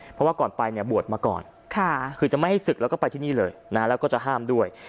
เพราะว่าก่อนไปเนี่ยบวชมาก่อนคือจะไม่ให้ศึกแล้วก็ไปที่นี่เลยนะแล้วก็จะห้ามด้วย